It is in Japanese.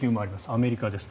アメリカです。